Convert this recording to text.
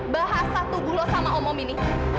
bahasa tubuh lo sama om om ini